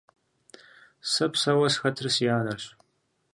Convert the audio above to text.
Сэ псэуэ схэтыр си анэрщ.